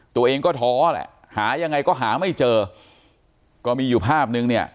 ตัวเองก็ท้อแหละหายังไงก็หาไม่เจอก็มีอยู่ภาพนึงเนี่ย